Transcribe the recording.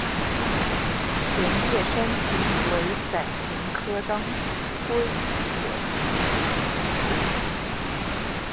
全叶山芹为伞形科当归属的植物。